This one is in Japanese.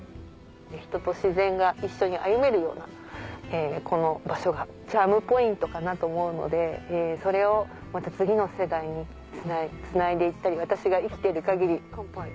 人と自然が一緒に歩めるようなこの場所がチャームポイントかなと思うのでそれをまた次の世代につないで私が生きてる限り。乾杯。